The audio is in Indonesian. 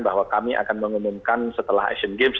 bahwa kami akan mengumumkan setelah asian games